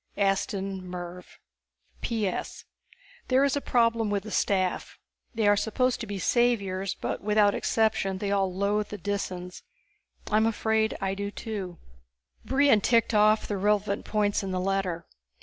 _ Aston Mervv _P.S. There is a problem with the staff. They are supposed to be saviors, but without exception they all loathe the Disans. I'm afraid I do too._ Brion ticked off the relevant points in the letter.